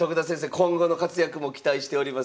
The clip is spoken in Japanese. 今後の活躍も期待しております。